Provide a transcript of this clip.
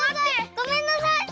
ごめんなさい。